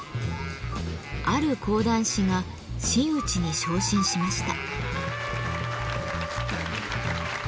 ある講談師が真打ちに昇進しました。